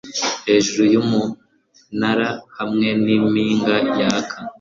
hejuru yumunara hamwe nimpinga yaka